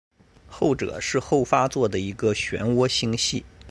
后者是后发座的一个旋涡星系。